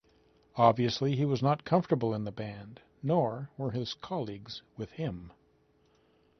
Obviously he was not comfortable in the band, nor were his colleagues with him.